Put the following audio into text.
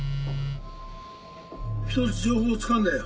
１つ情報をつかんだよ。